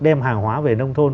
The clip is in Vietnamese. đem hàng hóa về nông thôn